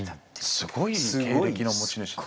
すごい経歴の持ち主ですね。